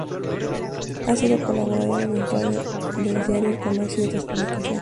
Ha sido colaborador eventual del diario El Comercio y otras publicaciones.